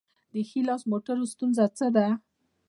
د ښي لاس موټرو ستونزه څه ده؟